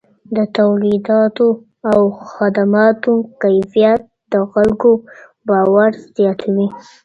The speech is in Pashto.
د توليداتو او خدماتو کیفیت د خلکو باور زیاتوي.